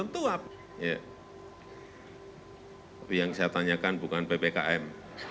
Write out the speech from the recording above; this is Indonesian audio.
tapi yang saya tanyakan bukan ppkm